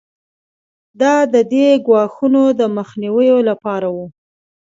دا د دې ګواښونو د مخنیوي لپاره وو.